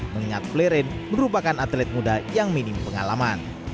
mengingat fleren merupakan atlet muda yang minim pengalaman